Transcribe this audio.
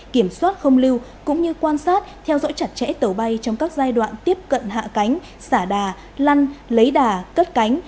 kiểm soát không lưu cũng như quan sát theo dõi chặt chẽ tàu bay trong các giai đoạn tiếp cận hạ cánh xả đà lăn lấy đà cất cánh